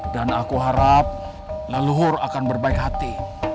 dan aku harap leluhur akan berbaik hati